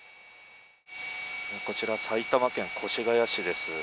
こちら、埼玉県越谷市です。